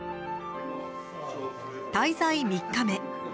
滞在３日目。